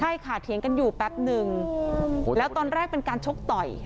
ใช่ค่ะเถียงกันอยู่แป๊บนึงแล้วตอนแรกเป็นการชกต่อย